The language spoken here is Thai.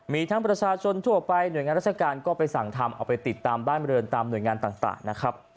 มีทั้งประชาชนทั่วไปหน่วยงานราชการก็ไปสั่งทำเอาไปติดตามบ้านบริเวณตามหน่วยงานต่างนะครับ